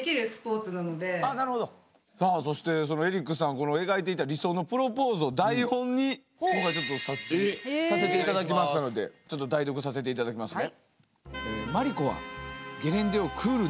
この描いていた理想のプロポーズを台本に今回ちょっとさせていただきましたのでちょっと代読させていただきますね。